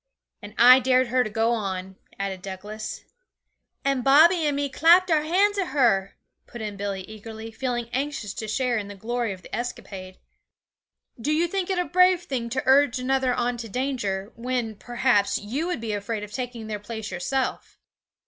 'And I dared her to go on,' added Douglas. 'And Bobby and me clapped our hands at her,' put in Billy eagerly, feeling anxious to share in the glory of the escapade. 'Do you think it a brave thing to urge another on to danger, when, perhaps, you would be afraid of taking their place yourself?'